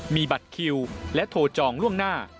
มีบัตรคิวและโทรจองล่วงหน้า